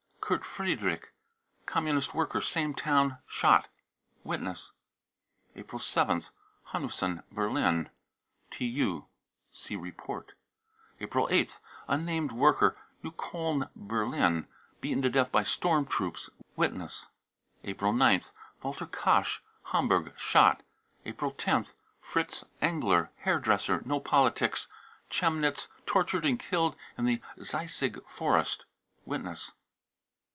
kurt Friedrich, Communist worker, same town, shot. (Witness.) April 7th. hanussen, Berlin. (TU.) See report. April 8th. unnamed worker, Neukolln, Berlin, beaten to death by storm troops. (Witness.) April 9th. WALTER KASCH, Hamburg, shot. April 10th. fritz engler, hairdresser, no politics, Chemnitz, tortured and killed in the Zeisig Forest. (Witness.)